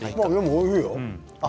おいしいよ。